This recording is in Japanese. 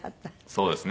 そうですね。